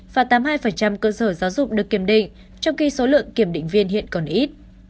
và tám mươi hai cơ sở giáo dục được kiểm định trong khi số lượng kiểm định viên hiện còn ít